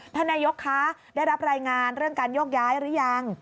ท่านนายกคะได้รับรายงานเรื่องการโยกย้ายหรือยัง